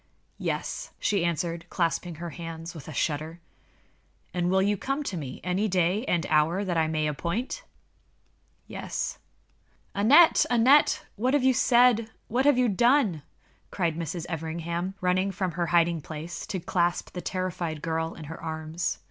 "Yes," she answered, clasping her hands with a shudder. "And you will come to me any day and hour that I may appoint?" "Yes." "Aneth! Aneth! what have you said? What have you done?" cried Mrs. Everingham, running from her hiding place to clasp the terrified girl in her arms.